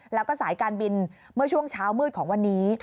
แล้วก็สายการบินเมื่อช่วงเช้ามืดของวันนี้